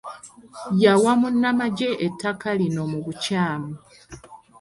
Yawa munnamagye ettaka lino mu bukyamu.